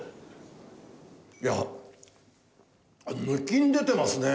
いや抜きん出てますね！